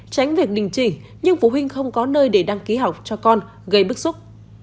tránh việc đình chỉ nhưng phụ huynh không có nơi để đăng ký học cho con gây bức xúc